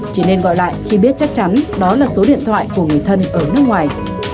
chỉ nên gọi lại khi biết chắc chắn đó là số điện thoại của người thân ở nước ngoài